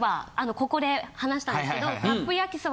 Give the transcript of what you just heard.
ここで話したんですけど。